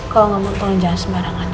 kalau gak mau tolong jangan sembarangan ya